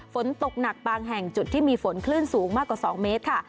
ฝนตกหนักบางแห่งจุดที่มีฝนคลื่นสูงมากกว่า๒เมตรค่ะ